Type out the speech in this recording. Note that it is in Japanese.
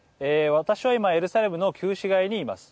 私は今エルサレムの旧市街にいます。